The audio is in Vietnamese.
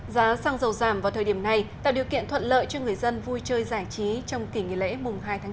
giá xăng dầu giảm vào thời điểm này tạo điều kiện thuận lợi cho người dân vui chơi giải trí trong kỷ nghỉ lễ mùng hai tháng chín